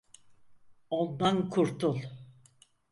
Ondan kurtul.